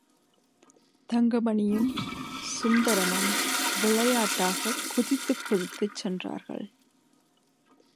தங்கமணியும் சுந்தரமும் விளையாட்டாகக் குதித்துக் குதித்துச் சென்றார்கள்.